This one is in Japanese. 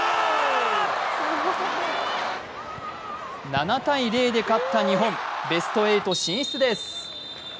７−０で勝った日本、ベスト８進出です。